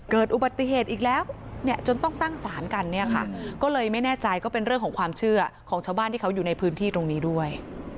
เกิดอุบัติเหตุอีกแล้วเนี่ยจนต้องตั้งสารกันเนี่ยค่ะก็เลยไม่แน่ใจก็เป็นเรื่องของความเชื่อของชาวบ้านที่เขาอยู่ในพื้นที่ตรงนี้ด้วย